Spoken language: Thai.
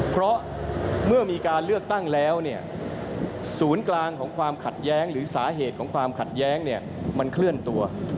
เพราะเมื่อมีการเลือกตั้งแล้วศูนย์กลางของความขัดแย้งหรือสาเหตุของความขัดแย้งมันเคลื่อนตัว